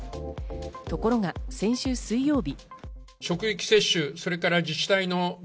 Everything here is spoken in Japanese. ところが、先週水曜日。